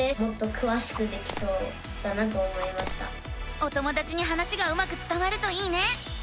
お友だちに話がうまくつたわるといいね！